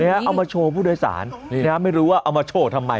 เอามาโชว์ผู้โดยสารไม่รู้ว่าเอามาโชว์ทำไม